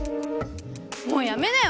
もうやめなよ。